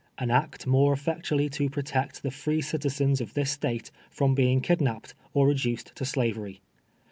An act 7nore effcctuaUy to protect the free citizens of this State from being kidnapped^ or reduced to Slavery.